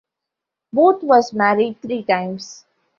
Booth was married three times.